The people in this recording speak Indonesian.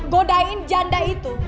godain janda itu